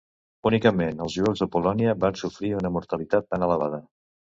Únicament els jueus de Polònia van sofrir una mortalitat tan elevada.